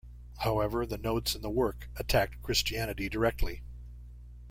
However, the notes in the work attacked Christianity directly.